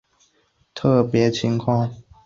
特殊情况时也可能对样本进行临时调整。